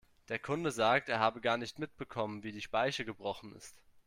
Der Kunde sagt, er habe gar nicht mitbekommen, wie die Speiche gebrochen ist.